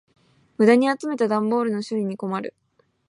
無駄に集めた段ボールの処理に困る。